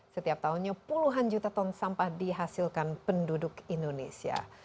setiap tahunnya puluhan juta ton sampah dihasilkan penduduk indonesia